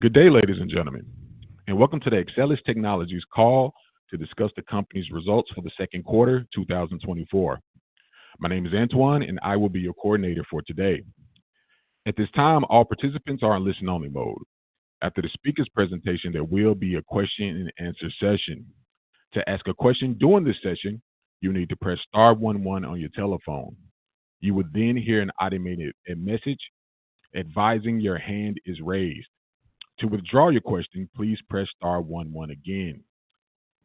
Good day, ladies and gentlemen, and welcome to the Axcelis Technologies call to discuss the company's results for the second quarter, 2024. My name is Antoine, and I will be your coordinator for today. At this time, all participants are in listen-only mode. After the speaker's presentation, there will be a question and answer session. To ask a question during this session, you need to press star one one on your telephone. You will then hear an automated message advising your hand is raised. To withdraw your question, please press star one one again.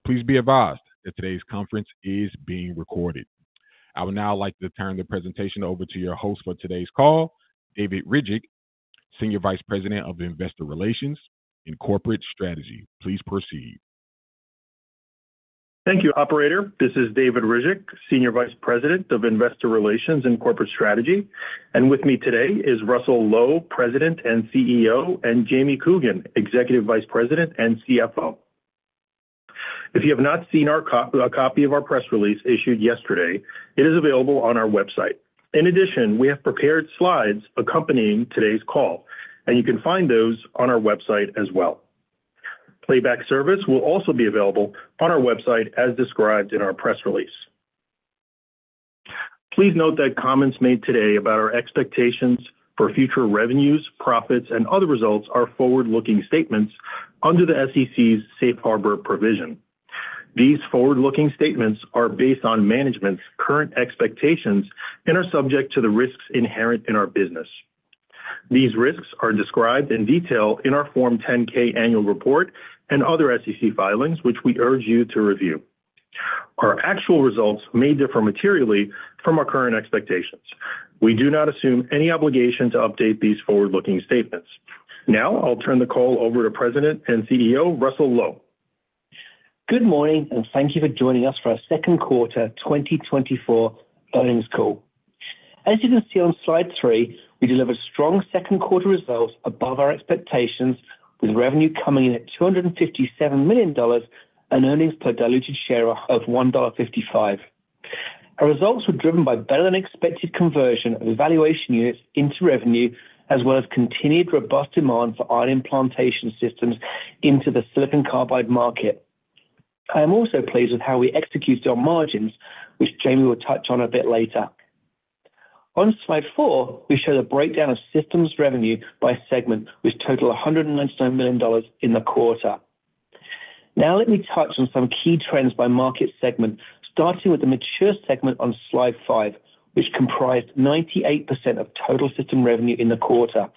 Please be advised that today's conference is being recorded. I would now like to turn the presentation over to your host for today's call, David Ryzhik, Senior Vice President of Investor Relations and Corporate Strategy. Please proceed. Thank you, operator. This is David Ryzhik, Senior Vice President of Investor Relations and Corporate Strategy, and with me today is Russell Low, President and CEO, and James Coogan, Executive Vice President and CFO. If you have not seen our a copy of our press release issued yesterday, it is available on our website. In addition, we have prepared slides accompanying today's call, and you can find those on our website as well. Playback service will also be available on our website, as described in our press release. Please note that comments made today about our expectations for future revenues, profits, and other results are forward-looking statements under the SEC's Safe Harbor provision. These forward-looking statements are based on management's current expectations and are subject to the risks inherent in our business. These risks are described in detail in our Form 10-K annual report and other SEC filings, which we urge you to review. Our actual results may differ materially from our current expectations. We do not assume any obligation to update these forward-looking statements. Now, I'll turn the call over to President and CEO, Russell Low. Good morning, and thank you for joining us for our second quarter 2024 earnings call. As you can see on slide 3, we delivered strong second quarter results above our expectations, with revenue coming in at $257 million and earnings per diluted share of $1.55. Our results were driven by better-than-expected conversion of evaluation units into revenue, as well as continued robust demand for ion implantation systems into the silicon carbide market. I am also pleased with how we executed our margins, which Jamie will touch on a bit later. On slide 4, we show the breakdown of systems revenue by segment, which total $199 million in the quarter. Now let me touch on some key trends by market segment, starting with the mature segment on Slide 5, which comprised 98% of total system revenue in the quarter.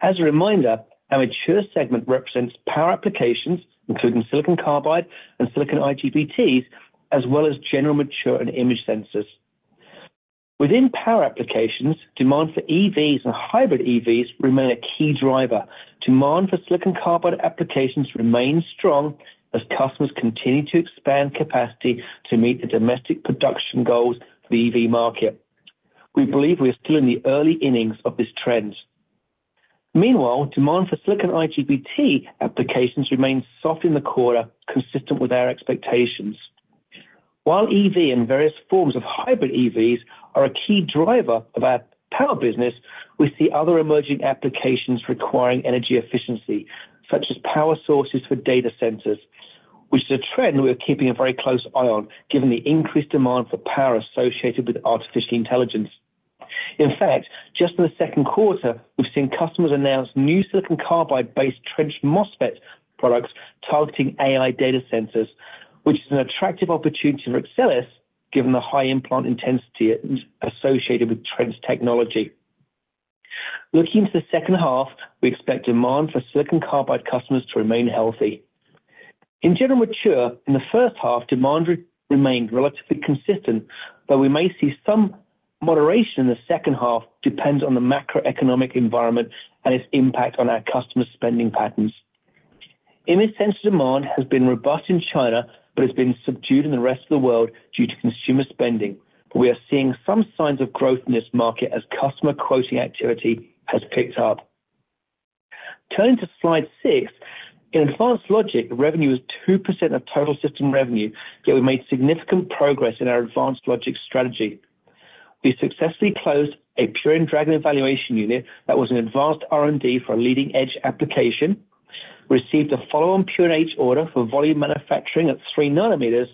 As a reminder, our mature segment represents power applications, including silicon carbide and silicon IGBTs, as well as general mature and image sensors. Within power applications, demand for EVs and hybrid EVs remain a key driver. Demand for silicon carbide applications remains strong as customers continue to expand capacity to meet the domestic production goals for the EV market. We believe we are still in the early innings of this trend. Meanwhile, demand for silicon IGBT applications remained soft in the quarter, consistent with our expectations. While EV and various forms of hybrid EVs are a key driver of our power business, we see other emerging applications requiring energy efficiency, such as power sources for data centers, which is a trend we are keeping a very close eye on, given the increased demand for power associated with artificial intelligence. In fact, just in the second quarter, we've seen customers announce new silicon carbide-based trench MOSFET products targeting AI data centers, which is an attractive opportunity for Axcelis, given the high implant intensity associated with trench technology. Looking to the second half, we expect demand for silicon carbide customers to remain healthy. In general mature, in the first half, demand remained relatively consistent, but we may see some moderation in the second half. Depends on the macroeconomic environment and its impact on our customers' spending patterns. Image sensor demand has been robust in China but has been subdued in the rest of the world due to consumer spending. We are seeing some signs of growth in this market as customer quoting activity has picked up. Turning to Slide 6, in advanced logic, revenue is 2% of total system revenue, yet we made significant progress in our advanced logic strategy. We successfully closed a Purion XE evaluation unit that was an advanced R&D for a leading-edge application, received a follow-on Purion H order for volume manufacturing at 3 nanometers,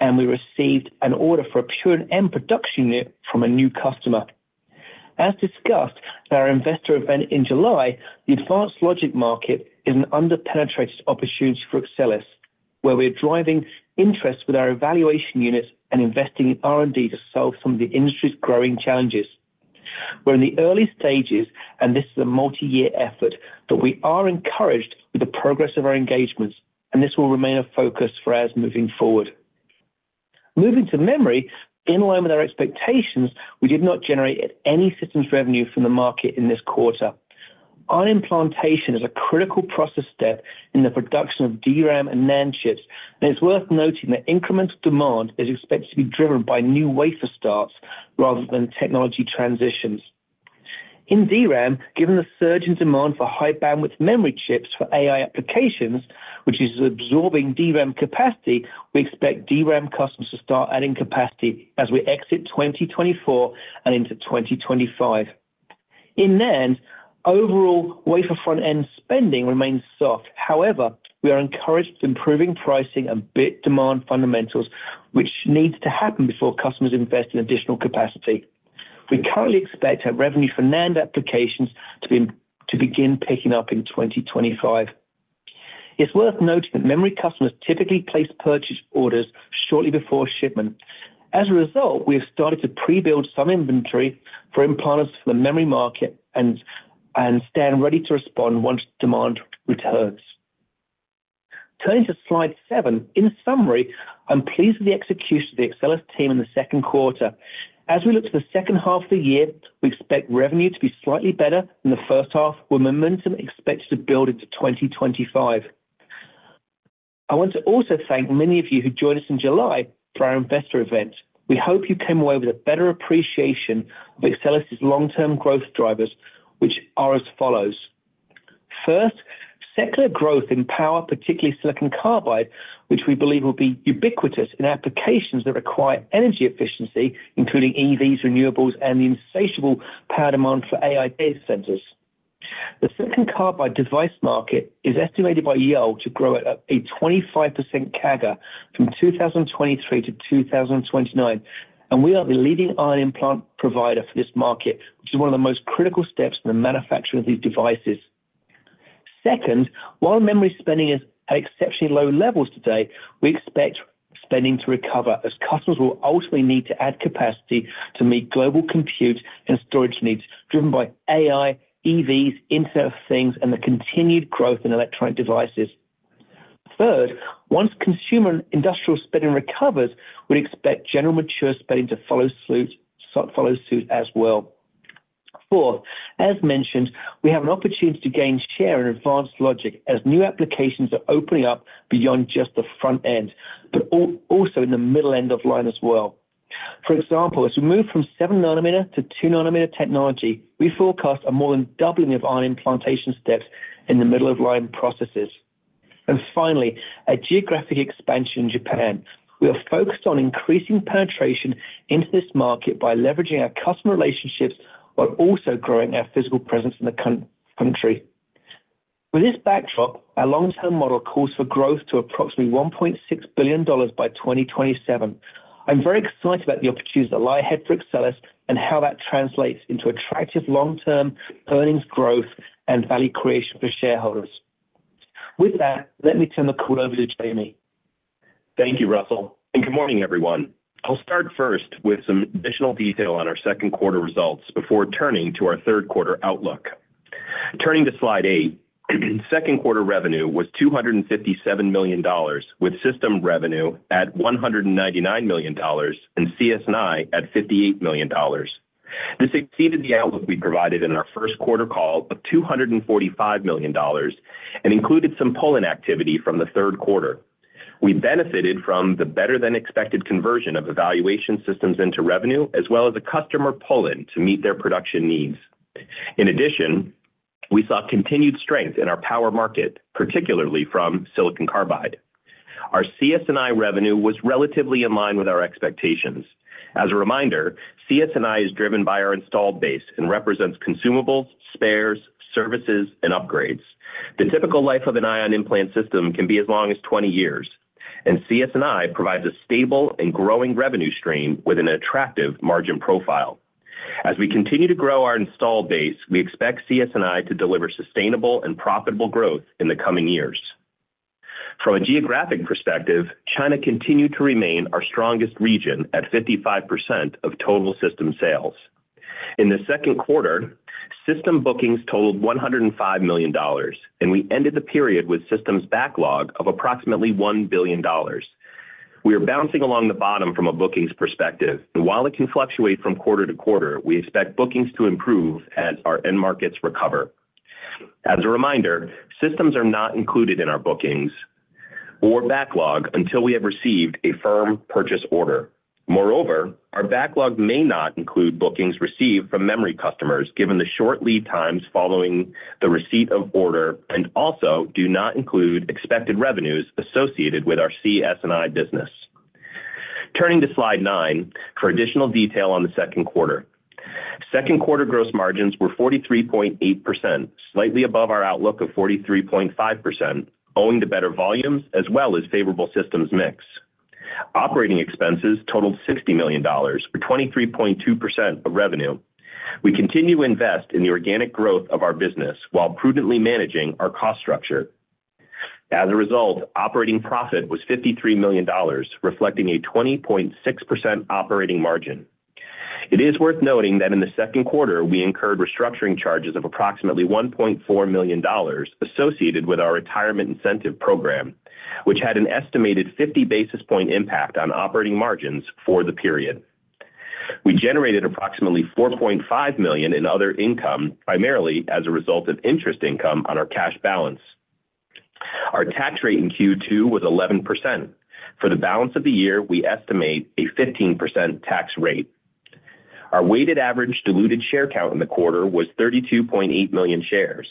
and we received an order for a Purion M production unit from a new customer. As discussed at our investor event in July, the advanced logic market is an underpenetrated opportunity for Axcelis, where we are driving interest with our evaluation units and investing in R&D to solve some of the industry's growing challenges. We're in the early stages, and this is a multi-year effort, but we are encouraged with the progress of our engagements, and this will remain a focus for us moving forward. Moving to memory, in line with our expectations, we did not generate any systems revenue from the market in this quarter. Ion implantation is a critical process step in the production of DRAM and NAND chips, and it's worth noting that incremental demand is expected to be driven by new wafer starts rather than technology transitions. In DRAM, given the surge in demand for high-bandwidth memory chips for AI applications, which is absorbing DRAM capacity, we expect DRAM customers to start adding capacity as we exit 2024 and into 2025. In NAND, overall, wafer front-end spending remains soft. However, we are encouraged with improving pricing and bit demand fundamentals, which needs to happen before customers invest in additional capacity. We currently expect our revenue for NAND applications to begin picking up in 2025. It's worth noting that memory customers typically place purchase orders shortly before shipment. As a result, we have started to pre-build some inventory for implants for the memory market and stand ready to respond once demand returns. Turning to Slide 7, in summary, I'm pleased with the execution of the Axcelis team in the second quarter. As we look to the second half of the year, we expect revenue to be slightly better than the first half, with momentum expected to build into 2025. I want to also thank many of you who joined us in July for our investor event. We hope you came away with a better appreciation of Axcelis' long-term growth drivers, which are as follows: First, secular growth in power, particularly silicon carbide, which we believe will be ubiquitous in applications that require energy efficiency, including EVs, renewables, and the insatiable power demand for AI data centers. The silicon carbide device market is estimated by Yole to grow at a 25% CAGR from 2023 to 2029, and we are the leading ion implant provider for this market, which is one of the most critical steps in the manufacturing of these devices. Second, while memory spending is at exceptionally low levels today, we expect spending to recover as customers will ultimately need to add capacity to meet global compute and storage needs, driven by AI, EVs, Internet of Things, and the continued growth in electronic devices. Third, once consumer and industrial spending recovers, we expect general mature spending to follow suit, so follow suit as well. Fourth, as mentioned, we have an opportunity to gain share in advanced logic as new applications are opening up beyond just the front end, but also in the middle end of line as well. For example, as we move from 7-nanometer to 2-nanometer technology, we forecast a more than doubling of ion implantation steps in the middle-of-line processes. And finally, a geographic expansion in Japan. We are focused on increasing penetration into this market by leveraging our customer relationships, while also growing our physical presence in the country. With this backdrop, our long-term model calls for growth to approximately $1.6 billion by 2027. I'm very excited about the opportunities that lie ahead for Axcelis and how that translates into attractive long-term earnings growth and value creation for shareholders. With that, let me turn the call over to Jamie. Thank you, Russell, and good morning, everyone. I'll start first with some additional detail on our second quarter results before turning to our third quarter outlook. Turning to Slide 8, second quarter revenue was $257 million, with system revenue at $199 million and CS&I at $58 million. This exceeded the outlook we provided in our first quarter call of $245 million and included some pull-in activity from the third quarter. We benefited from the better-than-expected conversion of evaluation systems into revenue, as well as a customer pull-in to meet their production needs. In addition, we saw continued strength in our power market, particularly from silicon carbide. Our CS&I revenue was relatively in line with our expectations. As a reminder, CS&I is driven by our installed base and represents consumables, spares, services, and upgrades. The typical life of an ion implant system can be as long as 20 years, and CS&I provides a stable and growing revenue stream with an attractive margin profile. As we continue to grow our installed base, we expect CS&I to deliver sustainable and profitable growth in the coming years. From a geographic perspective, China continued to remain our strongest region, at 55% of total system sales. In the second quarter, system bookings totaled $105 million, and we ended the period with systems backlog of approximately $1 billion. We are bouncing along the bottom from a bookings perspective, and while it can fluctuate from quarter to quarter, we expect bookings to improve as our end markets recover. As a reminder, systems are not included in our bookings or backlog until we have received a firm purchase order. Moreover, our backlog may not include bookings received from memory customers, given the short lead times following the receipt of order, and also do not include expected revenues associated with our CS&I business. Turning to Slide 9 for additional detail on the second quarter. Second quarter gross margins were 43.8%, slightly above our outlook of 43.5%, owing to better volumes as well as favorable systems mix. Operating expenses totaled $60 million, or 23.2% of revenue. We continue to invest in the organic growth of our business while prudently managing our cost structure. As a result, operating profit was $53 million, reflecting a 20.6% operating margin. It is worth noting that in the second quarter, we incurred restructuring charges of approximately $1.4 million associated with our retirement incentive program, which had an estimated 50 basis point impact on operating margins for the period. We generated approximately $4.5 million in other income, primarily as a result of interest income on our cash balance. Our tax rate in Q2 was 11%. For the balance of the year, we estimate a 15% tax rate. Our weighted average diluted share count in the quarter was 32.8 million shares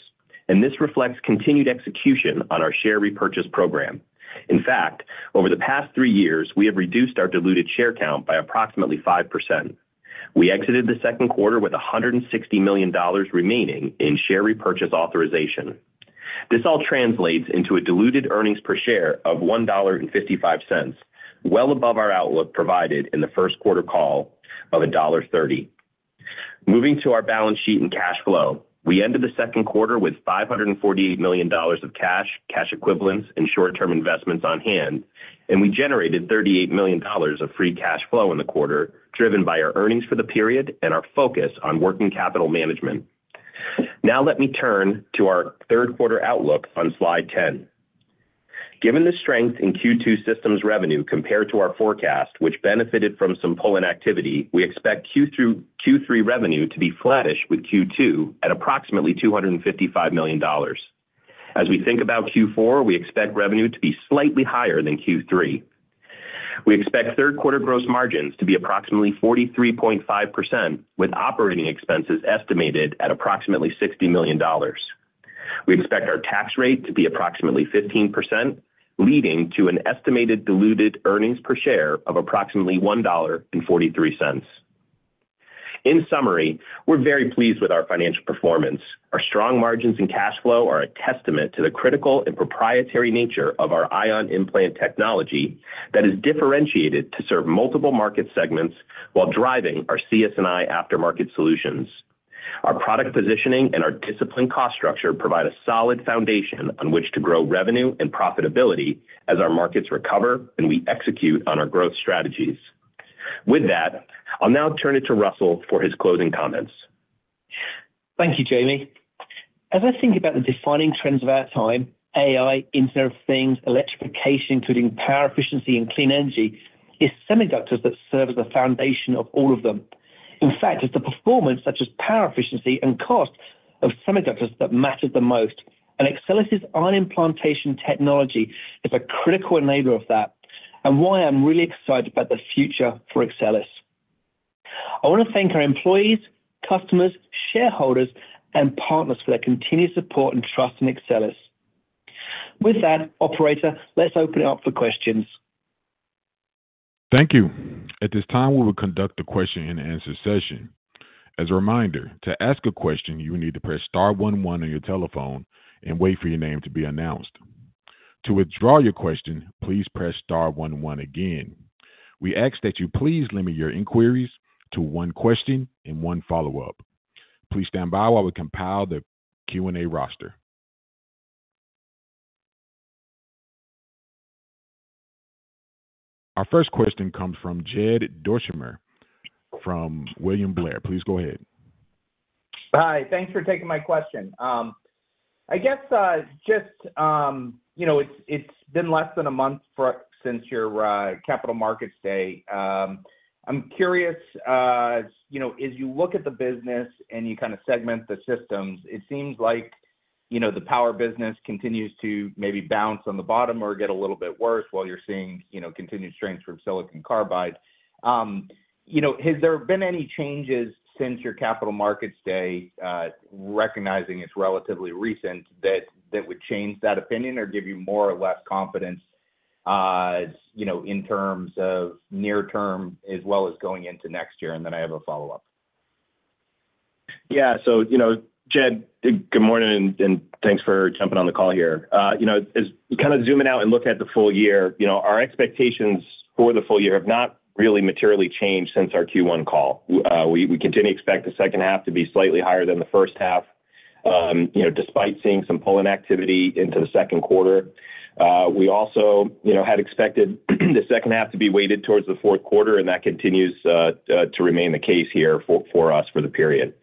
and this reflects continued execution on our share repurchase program. In fact, over the past three years, we have reduced our diluted share count by approximately 5%. We exited the second quarter with $160 million remaining in share repurchase authorization. This all translates into a diluted earnings per share of $1.55, well above our outlook provided in the first quarter call of $1.30. Moving to our balance sheet and cash flow. We ended the second quarter with $548 million of cash, cash equivalents, and short-term investments on hand, and we generated $38 million of free cash flow in the quarter, driven by our earnings for the period and our focus on working capital management. Now let me turn to our third quarter outlook on slide 10. Given the strength in Q2 systems revenue compared to our forecast, which benefited from some pull-in activity, we expect Q3 revenue to be flattish with Q2 at approximately $255 million. As we think about Q4, we expect revenue to be slightly higher than Q3. We expect third quarter gross margins to be approximately 43.5%, with operating expenses estimated at approximately $60 million. We expect our tax rate to be approximately 15%, leading to an estimated diluted earnings per share of approximately $1.43. In summary, we're very pleased with our financial performance. Our strong margins and cash flow are a testament to the critical and proprietary nature of our ion implant technology that is differentiated to serve multiple market segments while driving our CS&I aftermarket solutions. Our product positioning and our disciplined cost structure provide a solid foundation on which to grow revenue and profitability as our markets recover and we execute on our growth strategies. With that, I'll now turn it to Russell for his closing comments. Thank you, Jamie. As I think about the defining trends of our time, AI, Internet of Things, electrification, including power efficiency and clean energy, it's semiconductors that serve as the foundation of all of them. In fact, it's the performance, such as power efficiency and cost of semiconductors, that matter the most. Axcelis' ion implantation technology is a critical enabler of that, and why I'm really excited about the future for Axcelis. I want to thank our employees, customers, shareholders, and partners for their continued support and trust in Axcelis. With that, operator, let's open it up for questions. Thank you. At this time, we will conduct a question-and-answer session. As a reminder, to ask a question, you need to press star one one on your telephone and wait for your name to be announced. To withdraw your question, please press star one one again. We ask that you please limit your inquiries to one question and one follow-up. Please stand by while we compile the Q&A roster. Our first question comes from Jed Dorsheimer from William Blair. Please go ahead. Hi, thanks for taking my question. I guess, just, you know, it's been less than a month for us since your Capital Markets Day. I'm curious, you know, as you look at the business and you kind of segment the systems, it seems like, you know, the power business continues to maybe bounce on the bottom or get a little bit worse while you're seeing, you know, continued strength from silicon carbide. You know, has there been any changes since your Capital Markets Day, recognizing it's relatively recent, that would change that opinion or give you more or less confidence, you know, in terms of near term as well as going into next year? And then I have a follow-up. Yeah. So, you know, Jed, good morning, and thanks for jumping on the call here. You know, as you kind of zooming out and look at the full year, you know, our expectations for the full year have not really materially changed since our Q1 call. We continue to expect the second half to be slightly higher than the first half, you know, despite seeing some pull-in activity into the second quarter. We also, you know, had expected the second half to be weighted towards the fourth quarter, and that continues to remain the case here for us for the period.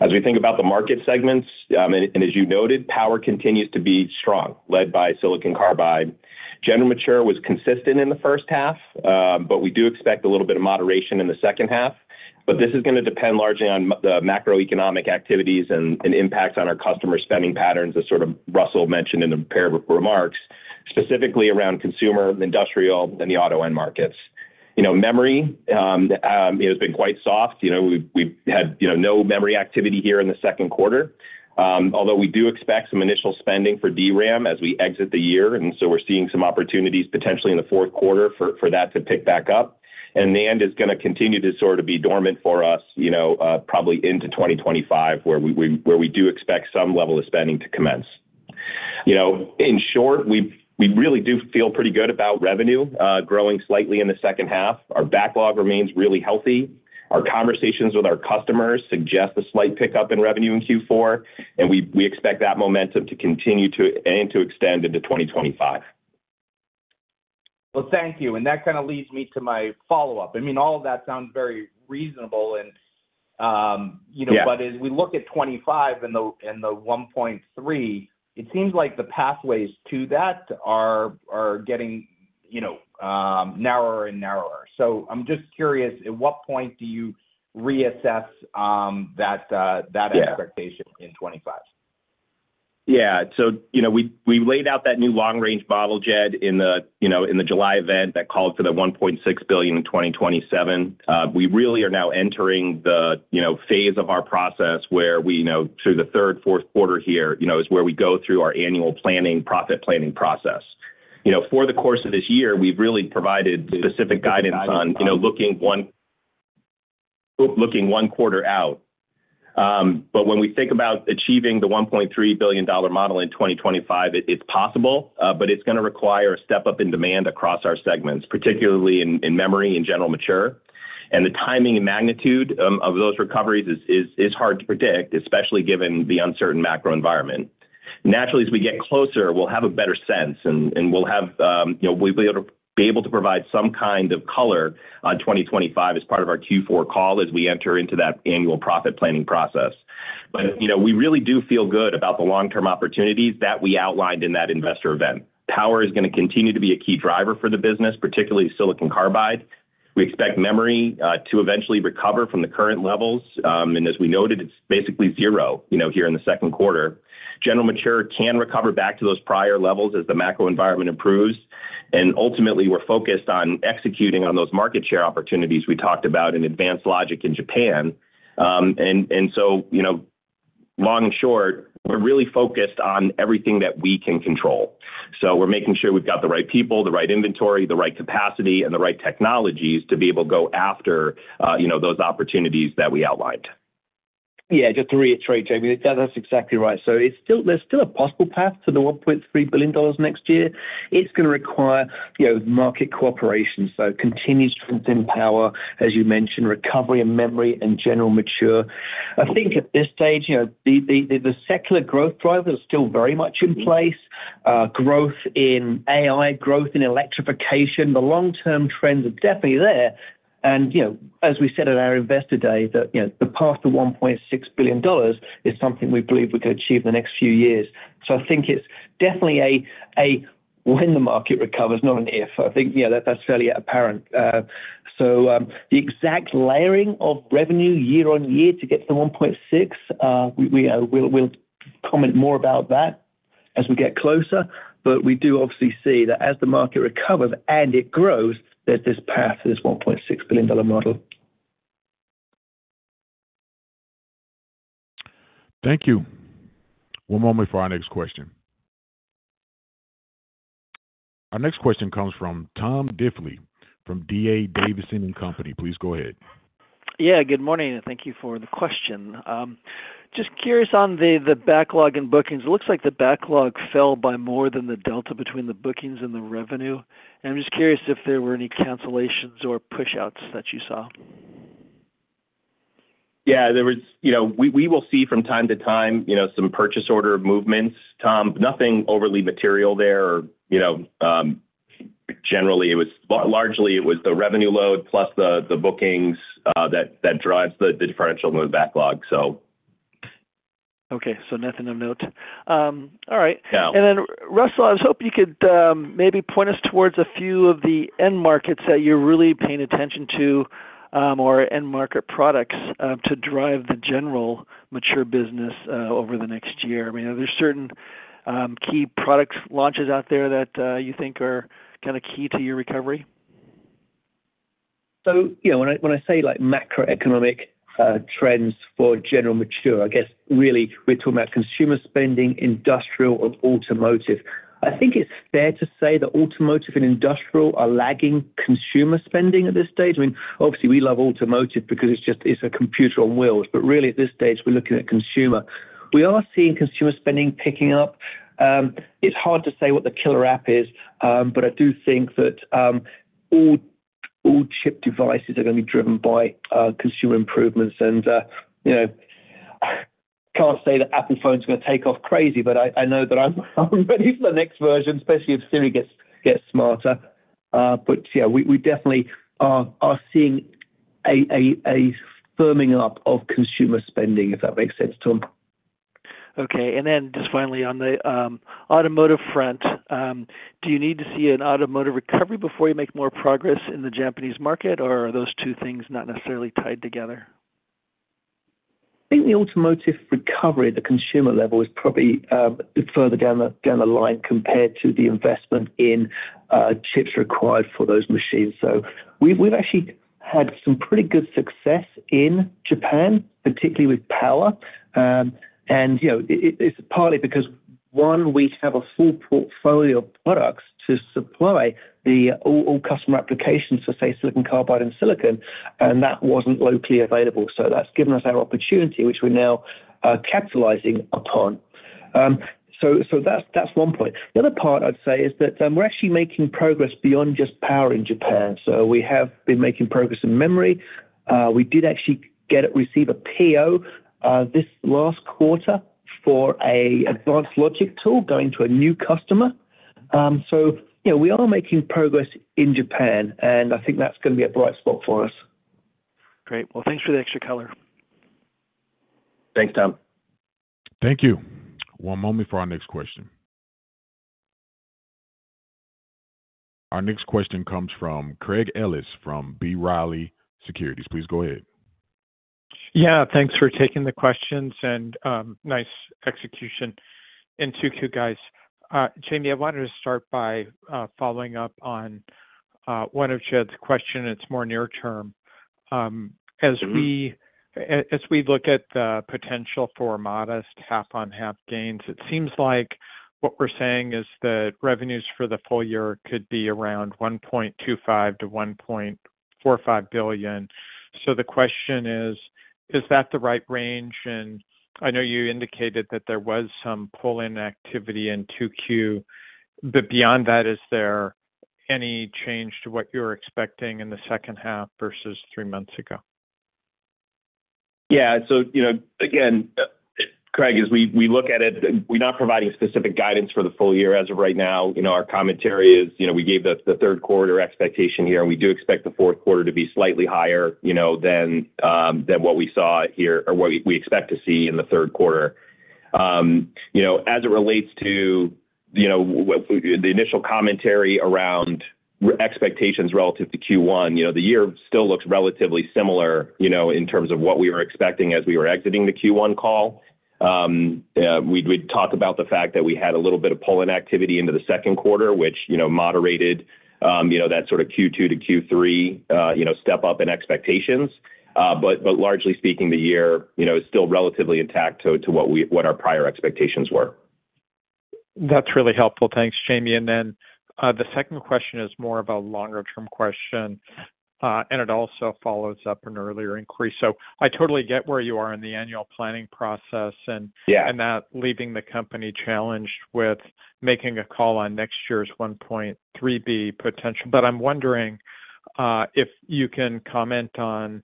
As we think about the market segments, and as you noted, power continues to be strong, led by silicon carbide. General mature was consistent in the first half, but we do expect a little bit of moderation in the second half. But this is going to depend largely on the macroeconomic activities and impacts on our customer spending patterns, as sort of Russell mentioned in prepared remarks, specifically around consumer, industrial, and the auto end markets. You know, memory has been quite soft. You know, we've had, you know, no memory activity here in the second quarter. Although we do expect some initial spending for DRAM as we exit the year, and so we're seeing some opportunities potentially in the fourth quarter for that to pick back up. NAND is going to continue to sort of be dormant for us, you know, probably into 2025, where we do expect some level of spending to commence. You know, in short, we really do feel pretty good about revenue growing slightly in the second half. Our backlog remains really healthy. Our conversations with our customers suggest a slight pickup in revenue in Q4, and we expect that momentum to continue to and to extend into 2025. Well, thank you. That kind of leads me to my follow-up. I mean, all of that sounds very reasonable and, you know- Yeah. but as we look at 2025 and the 1.3, it seems like the pathways to that are getting, you know, narrower and narrower. So I'm just curious, at what point do you reassess, that, that- Yeah - expectation in 2025? Yeah. So, you know, we laid out that new long-range model, Jed, in the, you know, in the July event that called for the $1.6 billion in 2027. We really are now entering the, you know, phase of our process where we know through the third, fourth quarter here, you know, is where we go through our annual planning, profit planning process. You know, for the course of this year, we've really provided specific guidance on, you know, looking one quarter out. But when we think about achieving the $1.3 billion model in 2025, it's possible, but it's gonna require a step up in demand across our segments, particularly in memory and general mature. And the timing and magnitude of those recoveries is hard to predict, especially given the uncertain macro environment. Naturally, as we get closer, we'll have a better sense, and we'll have, you know, we'll be able to provide some kind of color on 2025 as part of our Q4 call as we enter into that annual profit planning process. But, you know, we really do feel good about the long-term opportunities that we outlined in that investor event. Power is gonna continue to be a key driver for the business, particularly silicon carbide. We expect memory to eventually recover from the current levels. And as we noted, it's basically zero, you know, here in the second quarter. General mature can recover back to those prior levels as the macro environment improves, and ultimately, we're focused on executing on those market share opportunities we talked about in advanced logic in Japan. And so, you know, long and short, we're really focused on everything that we can control. So we're making sure we've got the right people, the right inventory, the right capacity, and the right technologies to be able to go after, you know, those opportunities that we outlined. Yeah, just to reiterate, Jamie, that's exactly right. So it's still, there's still a possible path to the $1.3 billion next year. It's gonna require, you know, market cooperation, so continued strength in power, as you mentioned, recovery in memory and general mature. I think at this stage, you know, the secular growth driver is still very much in place. Growth in AI, growth in electrification, the long-term trends are definitely there. And, you know, as we said at our Investor Day, that, you know, the path to $1.6 billion is something we believe we could achieve in the next few years. So I think it's definitely a when the market recovers, not an if. I think, you know, that's fairly apparent. So, the exact layering of revenue year-over-year to get to the $1.6, we'll comment more about that as we get closer. But we do obviously see that as the market recovers and it grows, there's this path to this $1.6 billion-dollar model. Thank you. One moment for our next question. Our next question comes from Tom Diffely from D.A. Davidson & Company. Please go ahead. Yeah, good morning, and thank you for the question. Just curious on the backlog and bookings. It looks like the backlog fell by more than the delta between the bookings and the revenue, and I'm just curious if there were any cancellations or pushouts that you saw. Yeah, there was, you know, we will see from time to time, you know, some purchase order movements, Tom. Nothing overly material there, or, you know, generally it was largely it was the revenue load plus the bookings, that drives the differential in the backlog, so. Okay, so nothing of note. All right. No. And then, Russell, I was hoping you could maybe point us towards a few of the end markets that you're really paying attention to, or end market products, to drive the general mature business over the next year. I mean, are there certain key product launches out there that you think are kind of key to your recovery? So, you know, when I say, like, macroeconomic trends for general mature, I guess really we're talking about consumer spending, industrial and automotive. I think it's fair to say that automotive and industrial are lagging consumer spending at this stage. I mean, obviously, we love automotive because it's just, it's a computer on wheels, but really, at this stage, we're looking at consumer. We are seeing consumer spending picking up. It's hard to say what the killer app is, but I do think that all chip devices are gonna be driven by consumer improvements. You know, can't say that Apple phone's gonna take off crazy, but I know that I'm ready for the next version, especially if Siri gets smarter. But yeah, we definitely are seeing a firming up of consumer spending, if that makes sense, Tom. Okay. And then just finally on the automotive front, do you need to see an automotive recovery before you make more progress in the Japanese market, or are those two things not necessarily tied together? I think the automotive recovery at the consumer level is probably further down the line compared to the investment in chips required for those machines. So we've actually had some pretty good success in Japan, particularly with power. And you know, it's partly because one, we have a full portfolio of products to supply all customer applications for, say, silicon carbide and silicon, and that wasn't locally available. So that's given us our opportunity, which we're now capitalizing upon. S o that's one point. The other part I'd say is that we're actually making progress beyond just power in Japan. So we have been making progress in memory. We did actually receive a PO this last quarter for an advanced logic tool going to a new customer. You know, we are making progress in Japan, and I think that's gonna be a bright spot for us. Great. Well, thanks for the extra color. Thanks, Tom. Thank you. One moment for our next question. Our next question comes from Craig Ellis from B. Riley Securities. Please go ahead. Yeah, thanks for taking the questions and, nice execution in 2Q, guys. Jamie, I wanted to start by following up on one. I've shared the question, it's more near term. As we- Mm-hmm. As we look at the potential for modest half-on-half gains, it seems like what we're saying is that revenues for the full year could be around $1.25 billion-$1.45 billion. So the question is: Is that the right range? And I know you indicated that there was some pull-in activity in 2Q, but beyond that, is there any change to what you were expecting in the second half versus three months ago? Yeah. So, you know, again, Craig, as we look at it, we're not providing specific guidance for the full year as of right now. You know, our commentary is, you know, we gave the third quarter expectation here, and we do expect the fourth quarter to be slightly higher, you know, than what we saw here or what we expect to see in the third quarter. You know, as it relates to the initial commentary around expectations relative to Q1, you know, the year still looks relatively similar, you know, in terms of what we were expecting as we were exiting the Q1 call. We'd talked about the fact that we had a little bit of pull-in activity into the second quarter, which, you know, moderated, you know, that sort of Q2 to Q3, you know, step up in expectations. But largely speaking, the year, you know, is still relatively intact to what our prior expectations were. That's really helpful. Thanks, Jamie. And then, the second question is more of a longer-term question, and it also follows up an earlier inquiry. So I totally get where you are in the annual planning process and- Yeah - and that leaving the company challenged with making a call on next year's $1.3 billion potential. But I'm wondering, if you can comment on,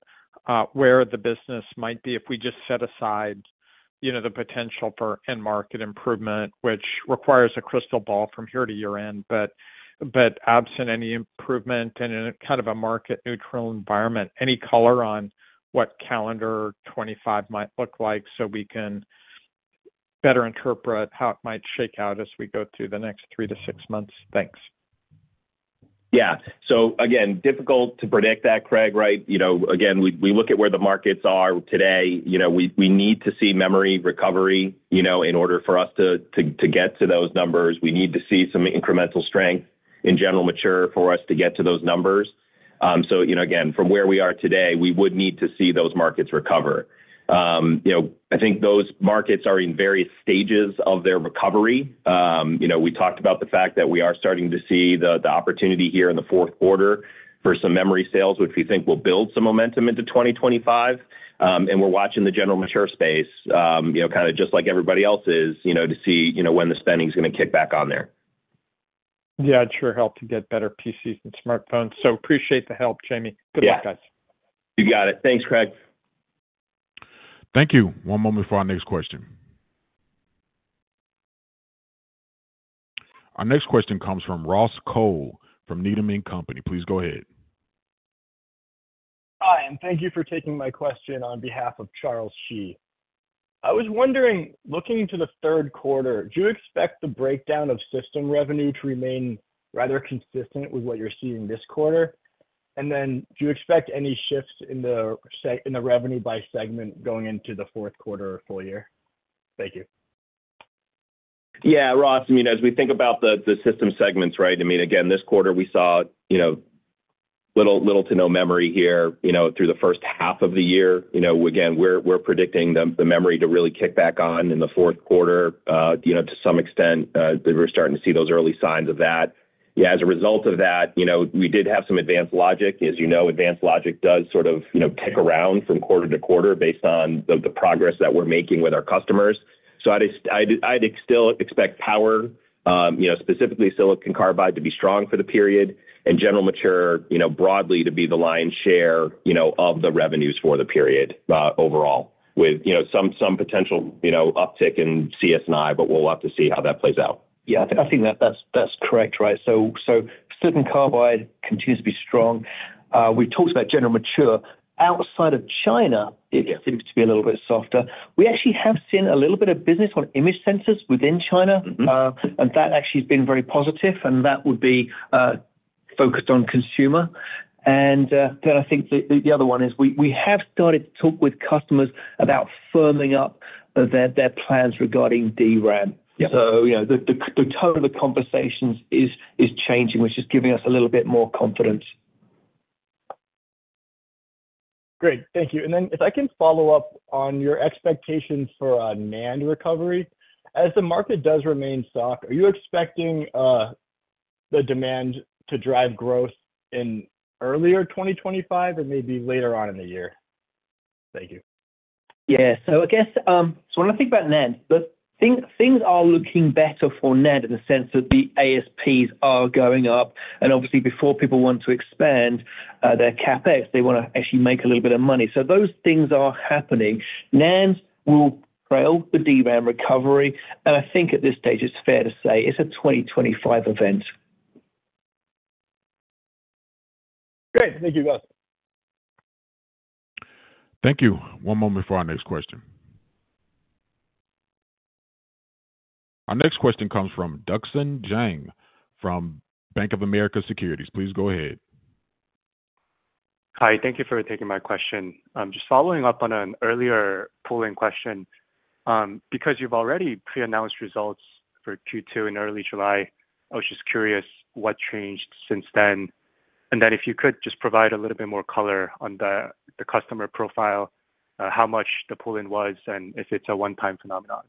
where the business might be if we just set aside, you know, the potential for end market improvement, which requires a crystal ball from here to year-end, but, but absent any improvement and in a kind of a market neutral environment, any color on what calendar 2025 might look like, so we can better interpret how it might shake out as we go through the next three to six months? Thanks. Yeah. So again, difficult to predict that, Craig, right? You know, again, we look at where the markets are today. You know, we need to see memory recovery, you know, in order for us to get to those numbers. We need to see some incremental strength in general mature for us to get to those numbers. So, you know, again, from where we are today, we would need to see those markets recover. You know, I think those markets are in various stages of their recovery. You know, we talked about the fact that we are starting to see the opportunity here in the fourth quarter for some memory sales, which we think will build some momentum into 2025.We're watching the general mature space, you know, kind of just like everybody else is, you know, to see, you know, when the spending is gonna kick back on there. Yeah, it sure helped to get better PCs and smartphones. So appreciate the help, Jamie. Yeah. Good luck, guys. You got it. Thanks, Craig. Thank you. One moment for our next question. Our next question comes from Ross Cole from Needham and Company. Please go ahead. Hi, and thank you for taking my question on behalf of Charles Shi. I was wondering, looking into the third quarter, do you expect the breakdown of system revenue to remain rather consistent with what you're seeing this quarter? And then do you expect any shifts in the revenue by segment going into the fourth quarter or full year? Thank you. Yeah, Ross. I mean, as we think about the system segments, right? I mean, again, this quarter, we saw, you know, little to no memory here, you know, through the first half of the year. You know, again, we're predicting the memory to really kick back on in the fourth quarter. You know, to some extent, we're starting to see those early signs of that. Yeah, as a result of that, you know, we did have some advanced logic. As you know, advanced logic does sort of, you know, kick around from quarter to quarter based on the progress that we're making with our customers. So I'd, I'd still expect power, you know, specifically silicon carbide, to be strong for the period, and generally mature, you know, broadly to be the lion's share, you know, of the revenues for the period, overall, with, you know, some potential, you know, uptick in CS&I, but we'll have to see how that plays out. Yeah, I think that's correct, right. So silicon carbide continues to be strong. We talked about general mature. Outside of China, it seems to be a little bit softer. We actually have seen a little bit of business on image sensors within China. Mm-hmm. And that actually has been very positive, and that would be focused on consumer. And then I think the other one is we have started to talk with customers about firming up their plans regarding DRAM. Yeah. You know, the tone of the conversations is changing, which is giving us a little bit more confidence. Great. Thank you. And then if I can follow up on your expectations for a NAND recovery. As the market does remain stuck, are you expecting the demand to drive growth in early 2025 or maybe later on in the year? Thank you. Yeah. So I guess, so when I think about NAND, the things, things are looking better for NAND in the sense that the ASPs are going up, and obviously before people want to expand, their CapEx, they wanna actually make a little bit of money. So those things are happening. NANDs will trail the DRAM recovery, and I think at this stage it's fair to say it's a 2025 event. Great. Thank you, guys. Thank you. One moment for our next question. Our next question comes from Duksan Jang, from Bank of America Securities. Please go ahead. Hi, thank you for taking my question. Just following up on an earlier pull-in question, because you've already pre-announced results for Q2 in early July, I was just curious what changed since then? And then if you could just provide a little bit more color on the, the customer profile, how much the pull-in was, and if it's a one-time phenomenon.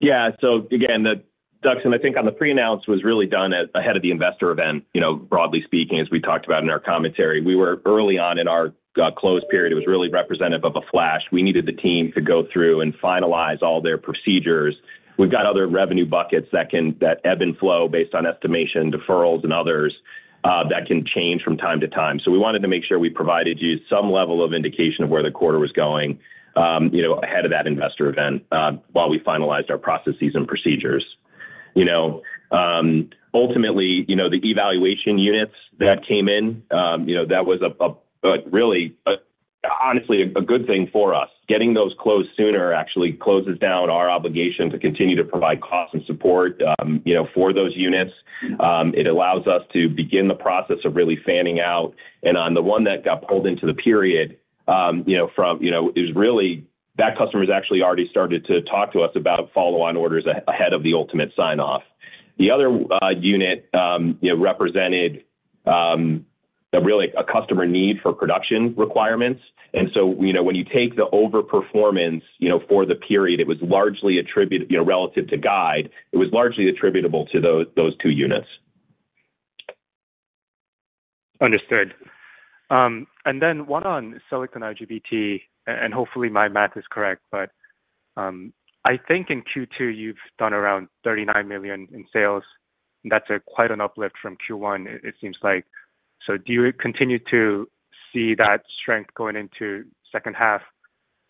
Yeah. So again, Duksan, and I think on the pre-announce, was really done ahead of the investor event, you know, broadly speaking, as we talked about in our commentary. We were early on in our close period. It was really representative of a flash. We needed the team to go through and finalize all their procedures. We've got other revenue buckets that ebb and flow based on estimation, deferrals and others, that can change from time to time. So we wanted to make sure we provided you some level of indication of where the quarter was going, you know, ahead of that investor event, while we finalized our processes and procedures. You know, ultimately, you know, the evaluation units that came in, you know, that was really, honestly, a good thing for us. Getting those closed sooner actually closes down our obligation to continue to provide cost and support, you know, for those units. It allows us to begin the process of really fanning out. On the one that got pulled into the period, that customer has actually already started to talk to us about follow-on orders ahead of the ultimate sign-off. The other unit, you know, represented really a customer need for production requirements. So, you know, when you take the overperformance, you know, for the period, it was largely attributed, you know, relative to guide, it was largely attributable to those, those two units. Understood. And then one on silicon IGBT, and hopefully my math is correct, but I think in Q2, you've done around $39 million in sales. That's quite an uplift from Q1. It seems like. So do you continue to see that strength going into second half?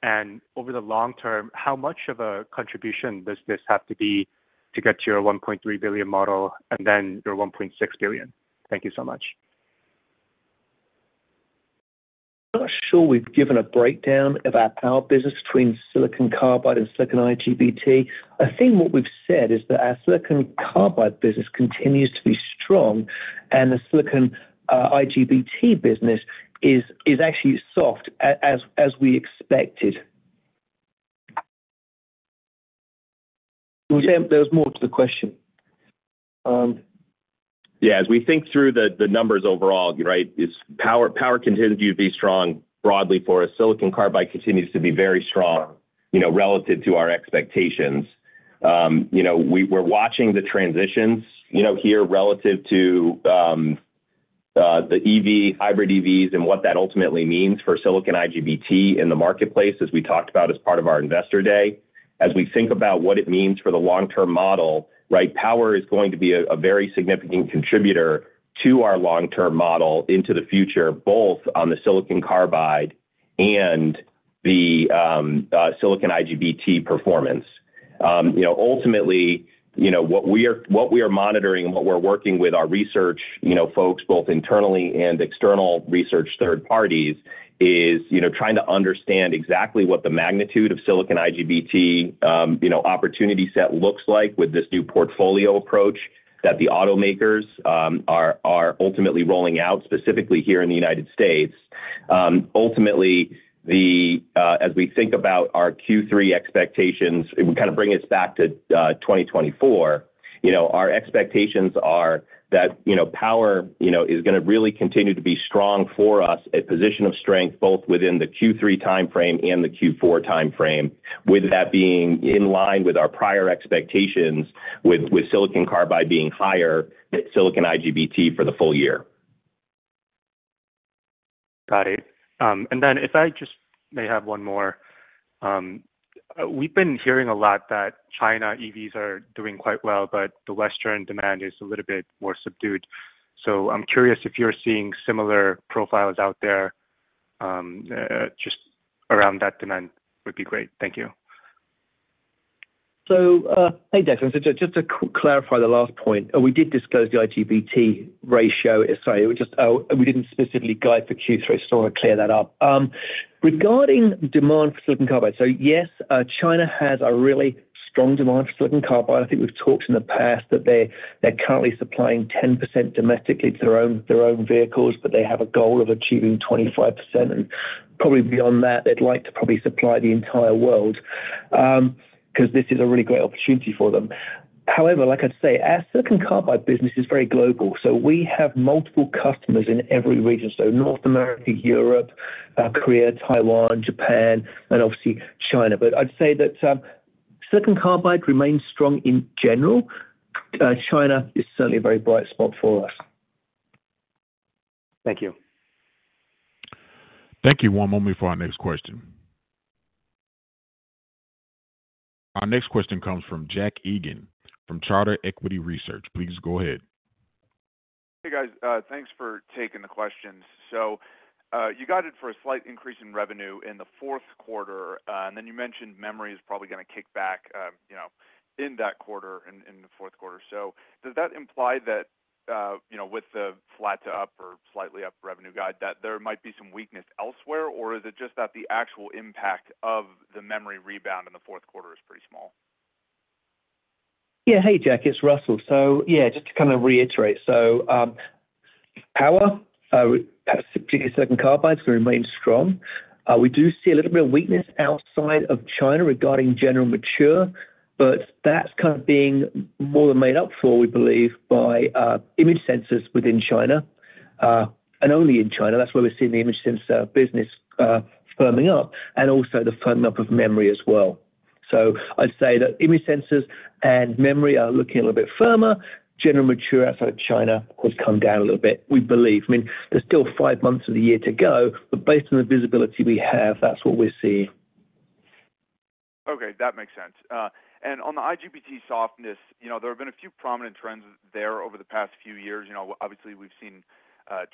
And over the long term, how much of a contribution does this have to be to get to your $1.3 billion model and then your $1.6 billion? Thank you so much. I'm not sure we've given a breakdown of our power business between silicon carbide and silicon IGBT. I think what we've said is that our silicon carbide business continues to be strong, and the silicon IGBT business is actually soft as we expected. There was more to the question. Yeah, as we think through the numbers overall, right, power continues to be strong broadly for us. Silicon Carbide continues to be very strong, you know, relative to our expectations. You know, we're watching the transitions, you know, here relative to the EV, hybrid EVs, and what that ultimately means for silicon IGBT in the marketplace, as we talked about as part of our Investor Day. As we think about what it means for the long-term model, right, power is going to be a very significant contributor to our long-term model into the future, both on the silicon carbide and the silicon IGBT performance. You know, ultimately, you know, what we are, what we are monitoring and what we're working with our research, you know, folks, both internally and external research third parties, is, you know, trying to understand exactly what the magnitude of silicon IGBT, you know, opportunity set looks like with this new portfolio approach that the automakers, are ultimately rolling out, specifically here in the United States. Ultimately, as we think about our Q3 expectations, it would kind of bring us back to 2024. You know, our expectations are that, you know, power, you know, is gonna really continue to be strong for us, a position of strength, both within the Q3 timeframe and the Q4 timeframe, with that being in line with our prior expectations, with silicon carbide being higher than silicon IGBT for the full year. Got it. And then if I just may have one more. We've been hearing a lot that China EVs are doing quite well, but the Western demand is a little bit more subdued. So I'm curious if you're seeing similar profiles out there, just around that demand would be great. Thank you. So, hey, Duksan, so just to clarify the last point, we did disclose the IGBT ratio. Sorry, it was just, we didn't specifically guide for Q3, so I want to clear that up. Regarding demand for silicon carbide, so, yes, China has a really strong demand for silicon carbide. I think we've talked in the past that they're currently supplying 10% domestically to their own vehicles, but they have a goal of achieving 25%, and probably beyond that. They'd like to probably supply the entire world, because this is a really great opportunity for them. However, like I say, our silicon carbide business is very global, so we have multiple customers in every region, so North America, Europe, Korea, Taiwan, Japan, and obviously China. But I'd say that, silicon carbide remains strong in general. China is certainly a very bright spot for us. Thank you. Thank you. One moment for our next question. Our next question comes from Jack Egan from Charter Equity Research. Please go ahead. Hey, guys, thanks for taking the questions. So, you guided for a slight increase in revenue in the fourth quarter, and then you mentioned memory is probably gonna kick back, you know, in that quarter, in the fourth quarter. So does that imply that, you know, with the flat to up or slightly up revenue guide, that there might be some weakness elsewhere? Or is it just that the actual impact of the memory rebound in the fourth quarter is pretty small? Yeah. Hey, Jack, it's Russell. So, yeah, just to kind of reiterate, so, power, particularly silicon carbide, is gonna remain strong. We do see a little bit of weakness outside of China regarding general mature, but that's kind of being more than made up for, we believe, by, image sensors within China, and only in China. That's where we're seeing the image sensor business, firming up and also the firming up of memory as well. So I'd say that image sensors and memory are looking a little bit firmer. General mature outside of China has come down a little bit, we believe. I mean, there's still five months of the year to go, but based on the visibility we have, that's what we're seeing. Okay, that makes sense. On the IGBT softness, you know, there have been a few prominent trends there over the past few years. You know, obviously, we've seen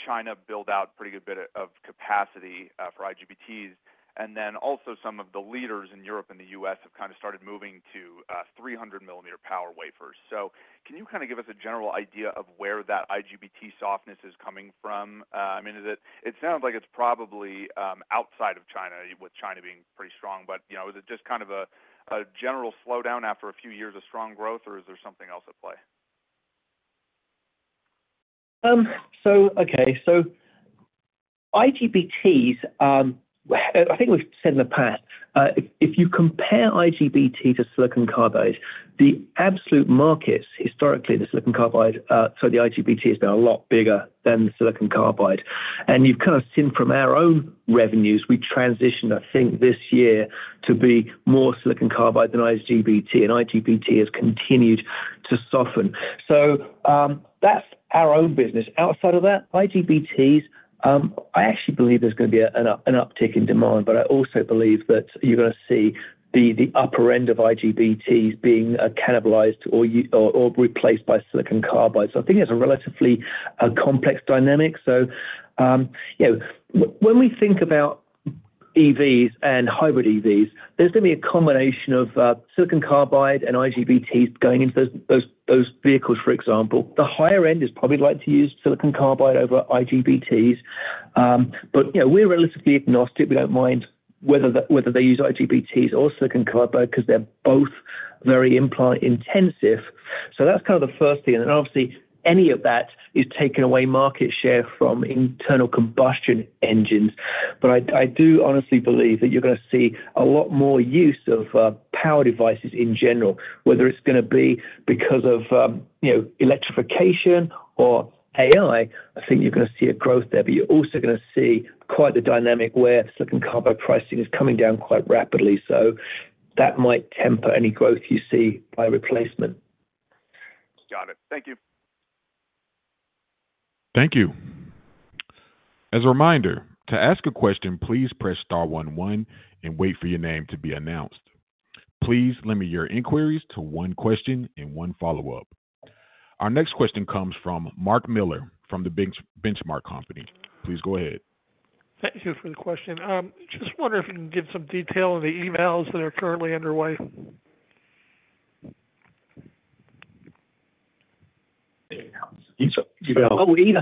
China build out a pretty good bit of capacity for IGBTs, and then also some of the leaders in Europe and the US have kind of started moving to 300 millimeter power wafers. So can you kind of give us a general idea of where that IGBT softness is coming from? I mean, is it, it sounds like it's probably outside of China, with China being pretty strong, but, you know, is it just kind of a general slowdown after a few years of strong growth, or is there something else at play? Okay, so IGBTs, I think we've said in the past, if you compare IGBT to silicon carbide, the absolute markets, historically, the silicon carbide, so the IGBT has been a lot bigger than the silicon carbide. And you've kind of seen from our own revenues, we transitioned, I think, this year to be more silicon carbide than IGBT, and IGBT has continued to soften. So, that's our own business. Outside of that, IGBTs, I actually believe there's going to be an uptick in demand, but I also believe that you're gonna see the upper end of IGBTs being cannibalized or replaced by silicon carbide. So I think it's a relatively complex dynamic. So, you know, when we think about EVs and hybrid EVs, there's gonna be a combination of silicon carbide and IGBTs going into those vehicles, for example. The higher end is probably likely to use silicon carbide over IGBTs. But, you know, we're relatively agnostic. We don't mind whether they use IGBTs or silicon carbide, because they're both very implant-intensive. So that's kind of the first thing. And obviously, any of that is taking away market share from internal combustion engines. But I do honestly believe that you're gonna see a lot more use of power devices in general, whether it's gonna be because of you know, electrification or AI. I think you're gonna see a growth there, but you're also gonna see quite the dynamic where silicon carbide pricing is coming down quite rapidly. So that might temper any growth you see by replacement. Got it. Thank you. Thank you. As a reminder, to ask a question, please press star one one and wait for your name to be announced. Please limit your inquiries to one question and one follow-up. Our next question comes from Mark Miller, from the Bench, Benchmark Company. Please go ahead. Thank you for the question. Just wonder if you can give some detail on the evals that are currently underway? Oh, I said emails. I'm not gonna send an email. Sorry, Mark. The evals. So, we currently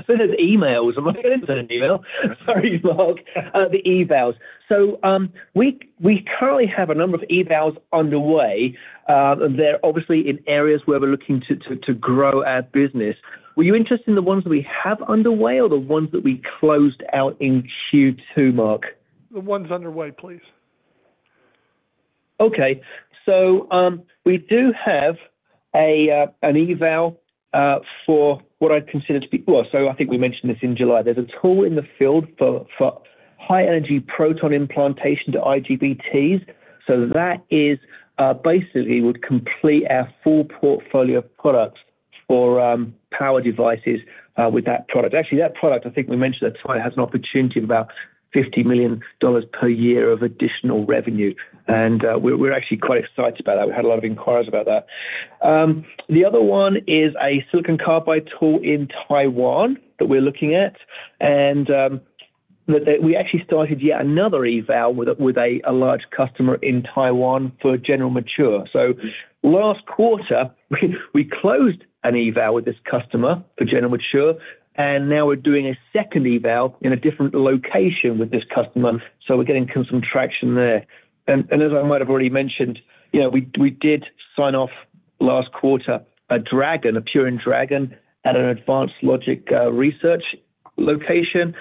have a number of evals underway. They're obviously in areas where we're looking to grow our business. Were you interested in the ones we have underway or the ones that we closed out in Q2, Mark? The ones underway, please. Okay. So, we do have an eval for what I'd consider to be. Well, so I think we mentioned this in July. There's a tool in the field for high energy proton implantation to IGBTs. So that is basically would complete our full portfolio of products for power devices with that product. Actually, that product, I think we mentioned that tool, has an opportunity of about $50 million per year of additional revenue, and we're actually quite excited about that. We've had a lot of inquiries about that. The other one is a silicon carbide tool in Taiwan that we're looking at, and we actually started yet another eval with a large customer in Taiwan for general mature. So last quarter, we closed an eval with this customer for general mature, and now we're doing a second eval in a different location with this customer. So we're getting kind of some traction there. And as I might have already mentioned, you know, we did sign off last quarter, a Dragon, a Purion Dragon, at an advanced logic research location.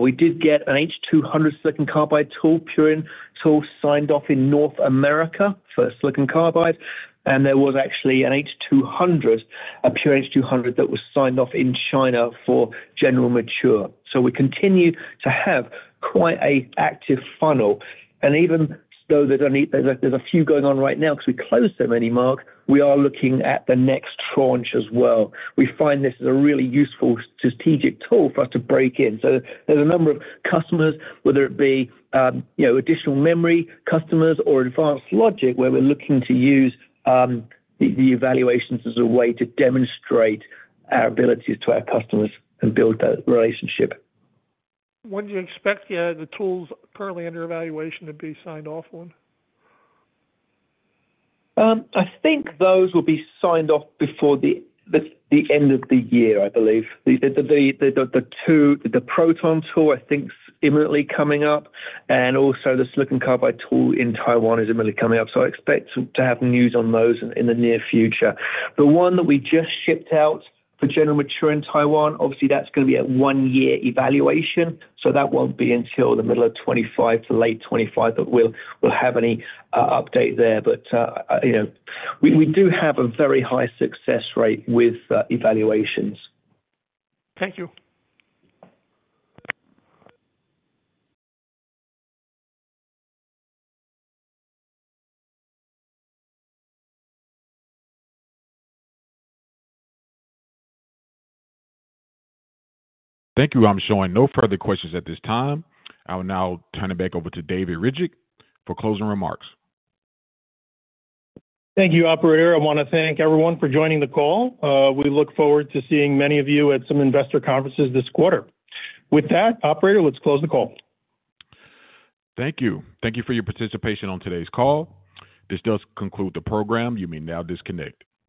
We did get an H200 silicon carbide tool, Purion tool, signed off in North America for silicon carbide, and there was actually an H200, a Purion H200, that was signed off in China for general mature. So we continue to have quite a active funnel, and even though there's only, there's a few going on right now, because we closed so many, Mark, we are looking at the next tranche as well. We find this is a really useful strategic tool for us to break in. There's a number of customers, whether it be, you know, additional memory customers or advanced logic, where we're looking to use the evaluations as a way to demonstrate our abilities to our customers and build that relationship. When do you expect the tools currently under evaluation to be signed off on? I think those will be signed off before the end of the year, I believe. The two, the proton tool, I think, is imminently coming up, and also the silicon carbide tool in Taiwan is imminently coming up. So I expect to have news on those in the near future. The one that we just shipped out for general mature in Taiwan, obviously, that's gonna be a one-year evaluation, so that won't be until the middle of 2025 to late 2025 that we'll have any update there. But, you know, we do have a very high success rate with evaluations. Thank you. Thank you. I'm showing no further questions at this time. I will now turn it back over to David Ryzhik for closing remarks. Thank you, operator. I want to thank everyone for joining the call. We look forward to seeing many of you at some investor conferences this quarter. With that, operator, let's close the call. Thank you. Thank you for your participation on today's call. This does conclude the program. You may now disconnect.